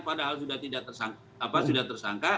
padahal sudah tersangka